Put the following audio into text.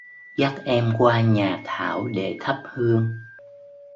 dắt em qua nhà thảo để thắp hương